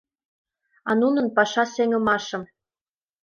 А нунын паша сеҥымашым